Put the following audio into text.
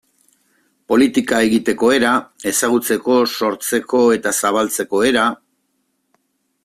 Politika egiteko era, ezagutza sortzeko eta zabaltzeko era...